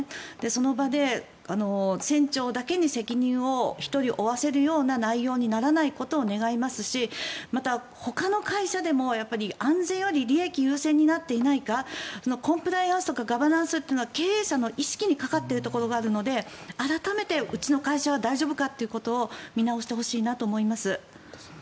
その場で船長だけに責任を１人に負わせるような内容にならないことを願いますしまた、ほかの会社でも安全より利益優先になっていないかコンプライアンスとかガバナンスは経営者の意識にかかっている部分があるので改めて自分の会社は大丈夫かということを見直してほしいなと思います。